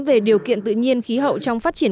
về điều kiện tự nhiên khí hậu trong phát triển